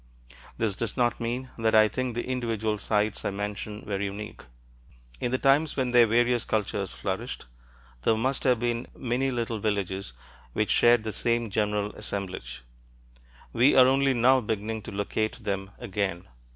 This does not mean that I think the individual sites I mention were unique. In the times when their various cultures flourished, there must have been many little villages which shared the same general assemblage. We are only now beginning to locate them again.